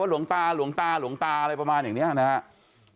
หลวงตาหลวงตาหลวงตาอะไรประมาณอย่างนี้นะครับ